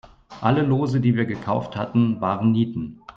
Alle Lose, die wir gekauft hatten, waren Nieten.